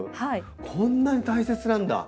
こんなに大切なんだ